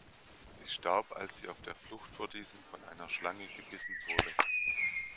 Sie starb, als sie auf der Flucht vor diesem von einer Schlange gebissen wurde.